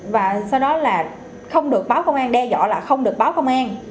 và sau đó là không được báo công an đe dọa là không được báo công an